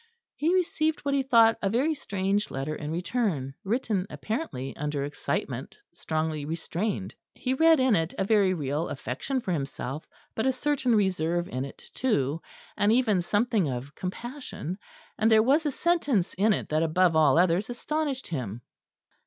He received what he thought a very strange letter in return, written apparently under excitement strongly restrained. He read in it a very real affection for himself, but a certain reserve in it too, and even something of compassion; and there was a sentence in it that above all others astonished him.